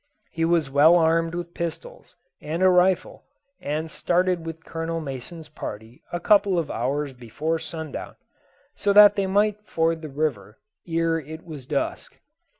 He was well armed with pistols and a rifle, and started with Colonel Mason's party a couple of hours before sundown so that they might ford the river ere it was dusk.